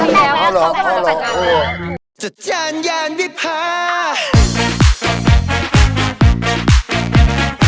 เข้าไปแล้วเข้าไปแล้ว